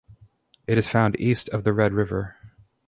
It is found east of the Red River.